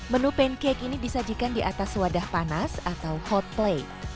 menu pancake ini disajikan di atas wadah panas atau hot play